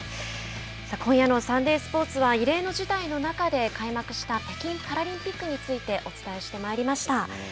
さあ今夜のサンデースポーツは異例の事態の中で開幕した北京パラリンピックについてお伝えしてまいりました。